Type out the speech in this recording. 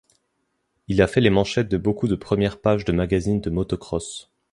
Il a fait les manchettes de beaucoup de premières pages de magazines de motocross.